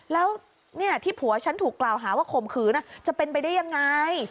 แล้วที่ผัวฉันถูกกล่าวหาว่าข่มขืนจะเป็นไปได้ยังไง